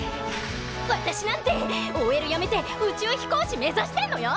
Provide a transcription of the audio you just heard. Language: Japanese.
私なんてＯＬやめて宇宙飛行士目指してんのよ！